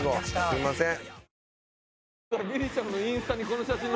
すいません。